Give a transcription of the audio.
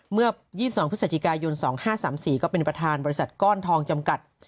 เมื่อ๒๒พฤศจิกายน๒๕๓๔ก็เป็นประธานบริษัทก้อนทองจำกัด